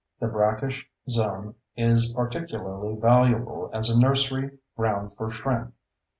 The brackish zone is particularly valuable as a nursery ground for shrimp.